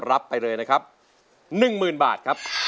รับไปเลยนะครับ๑๐๐๐๐บาท